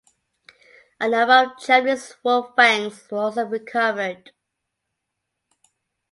A number of Japanese wolf fangs were also recovered.